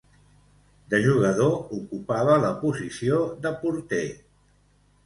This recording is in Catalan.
De jugador ocupava la posició de porter.